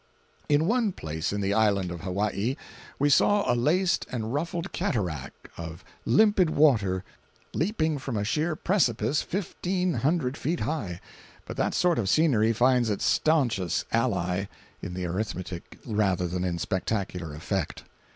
545.jpg (90K) In one place in the island of Hawaii, we saw a laced and ruffled cataract of limpid water leaping from a sheer precipice fifteen hundred feet high; but that sort of scenery finds its stanchest ally in the arithmetic rather than in spectacular effect.